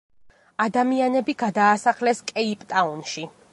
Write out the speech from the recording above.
ადამიანები გადაასახლეს კეიპტაუნში.